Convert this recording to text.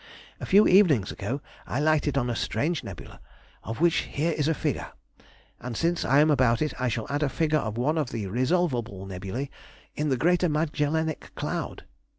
A few evenings ago I lighted on a strange nebula, of which here is a figure! and since I am about it I shall add a figure of one of the resolvable nebulæ in the greater magellanic cloud.